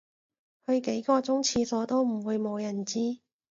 去幾個鐘廁所都唔會無人知